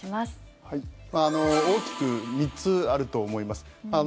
大きく３つあると思います。